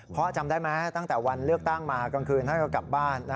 เพราะจำได้ไหมตั้งแต่วันเลือกตั้งมากลางคืนท่านก็กลับบ้าน